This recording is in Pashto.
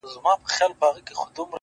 • هغه به څرنګه بلا وویني ـ